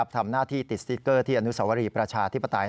ทำหน้าที่ติดสติ๊กเกอร์ที่อนุสวรีประชาธิปไตย